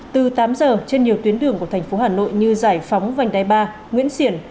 từ tám giờ trên nhiều tuyến đường của thành phố hà nội như giải phóng vành đai ba nguyễn xiển